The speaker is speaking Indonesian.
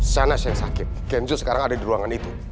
sana yang sakit kenzo sekarang ada di ruangan itu